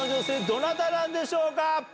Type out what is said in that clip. どなたなんでしょうか？